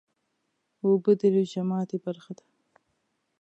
اوبه د روژې ماتی برخه ده